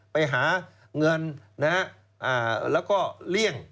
ไปหาเงินแล้วก็เลี่ยง